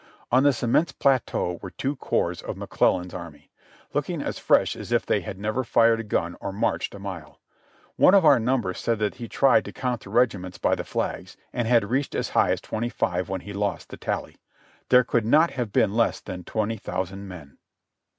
On this immense plateau were two corps of McClellan's army, looking as fresh as if they had never fired a gun or marched a mile. One of our number said that he tried to count the regiments by the flags, and had reached as high as twenty five when he lost the tally. There could not have been less than twenty thousand men.